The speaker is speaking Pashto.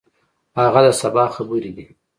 هغه د سبا خبرې دي.